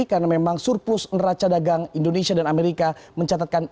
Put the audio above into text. karena memang surplus neraca dagang indonesia dan amerika mencatatkan